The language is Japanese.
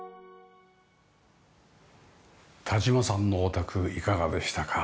田島さんのお宅いかがでしたか？